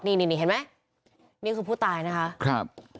นี่เห็นมั้ยนี่คือผู้ตายนะคะครับ